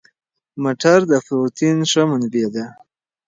مټر د پروتین ښه منبع ده.